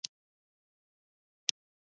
مصنوعي ځیرکتیا د انساني خلاقیت رول بدلوي.